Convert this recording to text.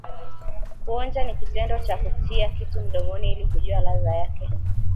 Kuonja ni kitendo cha kutia kitu mdomoni ili kujua ladha yake